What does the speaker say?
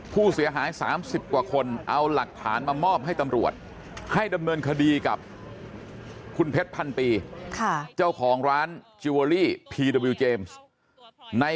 ผู้เสียหาย๓๐กว่าคนเอาหลักฐานมามอบให้ตำรวจให้ดำเนินคดีกับคุณเพชรพันปี